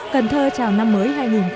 cần thơ chào năm mới hai nghìn một mươi bảy